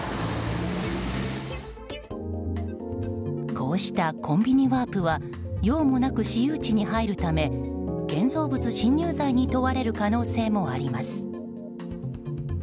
こうしたコンビニワープは用もなく私有地に入るため建造物侵入罪に問われる可能性もあります。